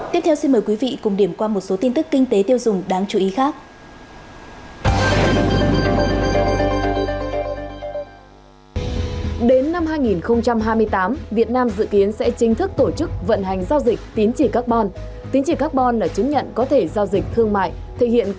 tiếp theo xin mời quý vị cùng điểm qua một số tin tức kinh tế tiêu dùng đáng chú ý khác